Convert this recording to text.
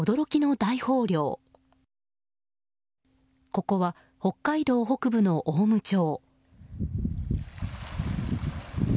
ここは北海道北部の雄武町。